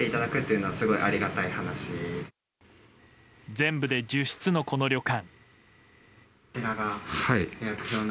全部で１０室の、この旅館。